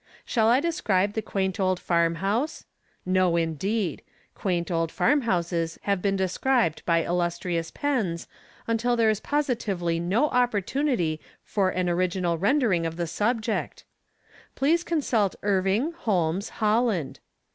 Shall I describe the quaint old farm house ? No, indeed ! Quaint old farm houses have been des cribed by illustrious pens, until there is positively no opportunity for an original rendering of the subject. Please consult Irving, Holmes, Holland.